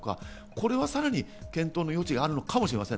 これはさらに検討の余地があるかもしれません。